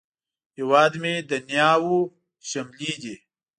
هیواد مې د نیاوو شملې دي